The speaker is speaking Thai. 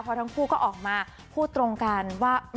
เพราะทั้งคู่ก็ออกมาพูดตรงกันว่า